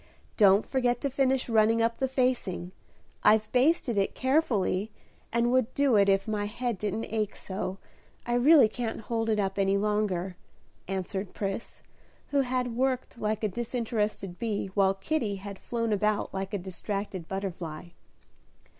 Don't forget to finish running up the facing; I've basted it carefully, and would do it if my head didn't ache so, I really can't hold it up any longer," answered Pris, who had worked like a disinterested bee, while Kitty had flown about like a distracted butterfly.